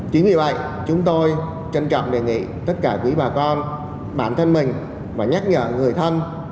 chính vì vậy chúng tôi trân trọng đề nghị tất cả quý bà con bản thân mình và nhắc nhở người thân